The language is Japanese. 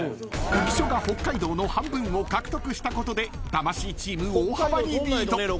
［浮所が北海道の半分を獲得したことで魂チーム大幅にリード］